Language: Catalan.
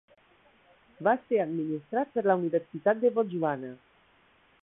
Va ser administrat per la Universitat de Botswana.